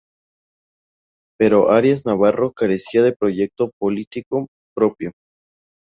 Pero Arias Navarro carecía de proyecto político propio.